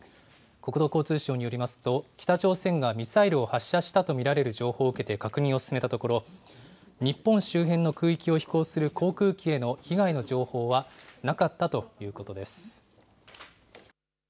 国土交通省によりますと、北朝鮮がミサイルを発射したと見られる情報を受けて確認を進めたところ、日本周辺の空域を飛行する航空機への被害の情報はなかったということです。